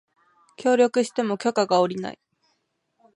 協力しても許可が降りない